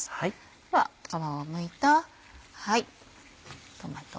では皮をむいたトマト。